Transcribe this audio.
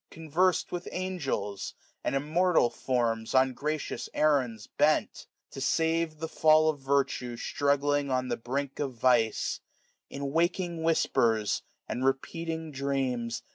Conversed' widi angels, and immortal forms, ^ag On gracious errands bent : to save the fall Of virtue struggling on the brink of vice ; In waking whispers, and repeated dreams.